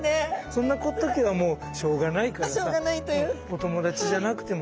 そんな時はもうしょうがないからさお友達じゃなくてもいい。